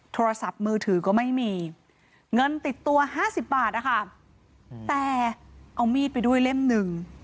โทรศัพท์มือถือก็ไม่มีเงินติดตัวห้าสิบบาทนะคะแต่เอามีดไปด้วยเล่มหนึ่ง